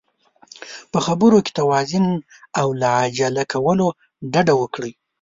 په خبرو کې توازن او له عجله کولو ډډه وکړئ.